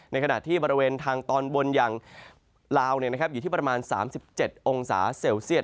ในขณะที่บริเวณทางตอนบนอย่างลาวอยู่ที่ประมาณ๓๗องศาเซลเซียต